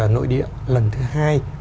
nội địa lần thứ hai